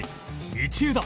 道枝